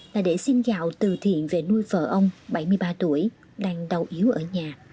là để xin gạo từ thiện về nuôi vợ ông bảy mươi ba tuổi đang đau yếu ở nhà